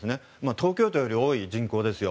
東京都より多い人口ですよ。